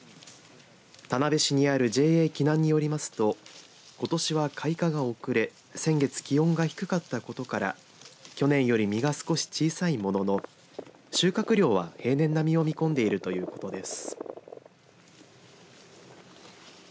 田辺市にあるＪＡ紀南によりますとことしは開花が遅れ先月、気温が低かったことから去年より実が少し小さいものの収穫量は平年並みを見込んでいるということです。